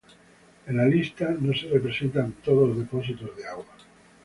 En la lista no se representan todos depósitos de agua.